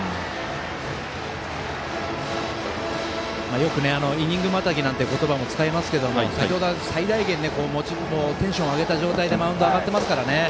よく、イニングまたぎなんて言葉も使いますけど、先ほど最大限テンションを上げた状態でマウンドに上がってますからね。